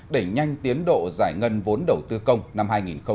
đẩy nhanh tiến độ giải ngân vốn đầu tư công năm hai nghìn hai mươi